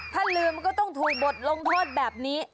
ถ้าลืมก็ต้องถูกบทลงโทษแบบนี้